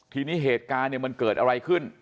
ทีนี้เหตุการณ์เนี่ยมันเกิดอะไรขึ้น